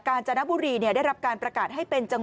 กาญจนบุรีได้รับการประกาศให้เป็น